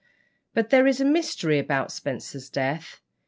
But there is a mystery about Spenser's death.